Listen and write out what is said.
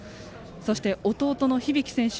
そして、弟の響選手